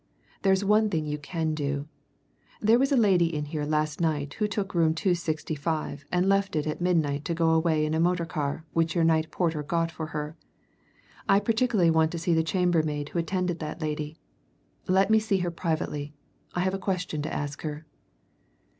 There's one thing you can do there was a lady in here last night who took Room 265 and left it at midnight to go away in a motor car which your night porter got for her. I particularly want to see the chambermaid who attended that lady. Let me see her privately I've a question to ask her."